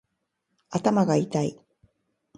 頭がいたい